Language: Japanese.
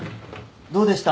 どうでした？